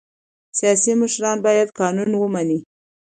سیاسي مشران باید قانون ومني